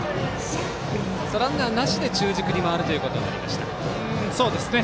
ランナーなしで中軸に回るということになりました。